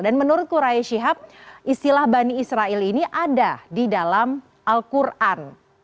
dan menurut kurey shihab istilah bani israel ini ada di dalam al quran